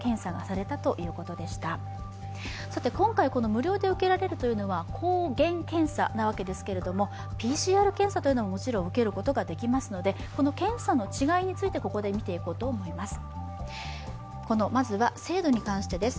無料で受けられるというのは、抗原検査ですがＰＣＲ検査ももちろん受けることができますのでこの検査の違いについて、ここで見ていこうと思います。